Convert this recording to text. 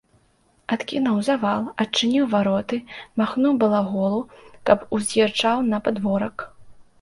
Адкінуў завал, адчыніў вароты, махнуў балаголу, каб уз'язджаў на падворак.